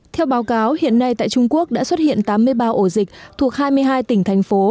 theo báo cáo hiện nay tại trung quốc đã xuất hiện tám mươi ba ổ dịch thuộc hai mươi hai tỉnh thành phố